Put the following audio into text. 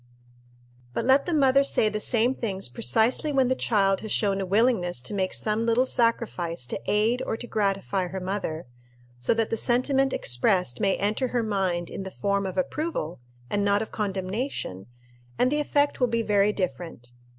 But let the mother say the same things precisely when the child has shown a willingness to make some little sacrifice to aid or to gratify her mother, so that the sentiment expressed may enter her mind in the form of approval and not of condemnation, and the effect will be very different.